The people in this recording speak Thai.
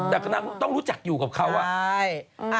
แหลกนางต้องรู้จักอยู่กับเขาอ่ะใช่